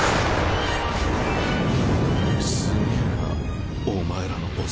すげぇなお前らのボス。